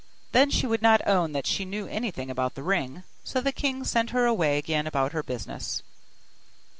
Then she would not own that she knew anything about the ring; so the king sent her away again about her business.